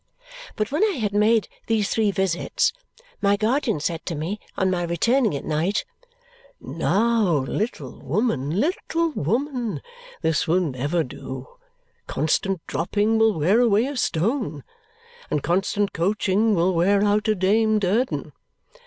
But when I had made these three visits, my guardian said to me, on my return at night, "Now, little woman, little woman, this will never do. Constant dropping will wear away a stone, and constant coaching will wear out a Dame Durden.